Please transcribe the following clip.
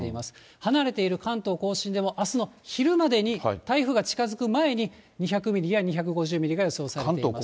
離れている関東甲信でもあすの昼までに台風が近づく前に、２００ミリや２５０ミリが予想されています。